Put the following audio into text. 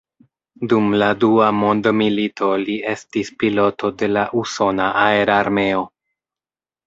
Dum la Dua Mondmilito li estis piloto de la usona aerarmeo.